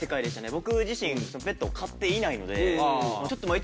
僕自身ペットを飼っていないので。